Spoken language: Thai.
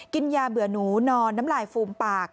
กินยาเบื่อหนูนอนน้ำลายฟูมปาก